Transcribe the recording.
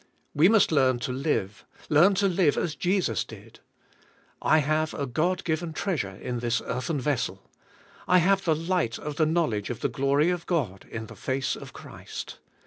We must learn to live, learn to live as Jesus did. I have a God given treasure in this earthen vessel. I have the light of the knowledge of the glory of God in the face of Christ.